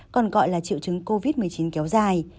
còn gọi là triệu chứng covid một mươi chín kéo dài